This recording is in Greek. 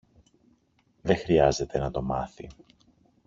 Δε χρειάζεται να το μάθει.